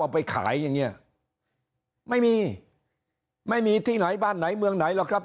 ไปขายอย่างเงี้ยไม่มีไม่มีที่ไหนบ้านไหนเมืองไหนหรอกครับ